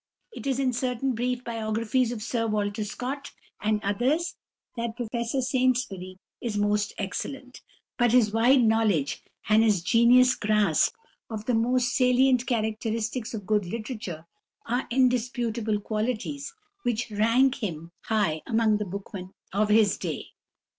It is in certain brief biographies of Sir Walter Scott and others that Professor Saintsbury is most excellent; but his wide knowledge and his genuine grasp of the most salient characteristics of good literature are indisputable qualities which rank him high among the bookmen of his day.